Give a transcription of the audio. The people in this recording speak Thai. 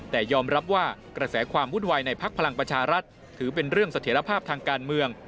แต่ยอมรับว่ากระแสความวุ่นวายในพักพลังประชารัฐถือเป็นเรื่องเสถียรภาพทางการเมือง